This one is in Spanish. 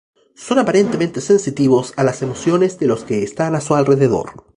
Son aparentemente sensitivos a las emociones de los que están a su alrededor.